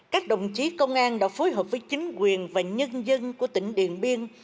các đồng chí công an đã phối hợp với chính quyền và nhân dân của tỉnh điện biên